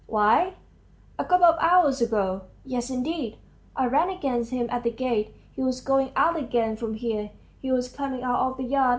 "Why, a couple of hours ago. Yes, indeed! I ran against him at the gate; he was going out again from here; he was coming out of the yard.